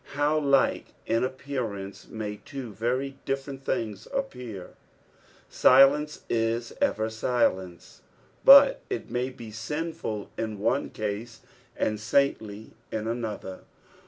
How like in appearance may two very different things appear ! silence is ever silence, but it may be sinful in one case and saintly in another.